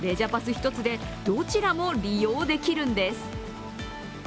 一つでどちらも利用できるんです。